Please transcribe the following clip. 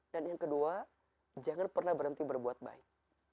dan yang kedua jangan pernah berhenti berbuat baik